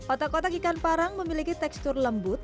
otak otak ikan parang memiliki tekstur lembut